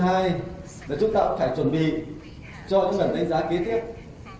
vấn đề thứ hai là chúng ta phải chuẩn bị cho những đánh giá kế tiếp